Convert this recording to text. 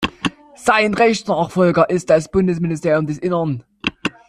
Sein Rechtsnachfolger ist das Bundesministerium des Innern.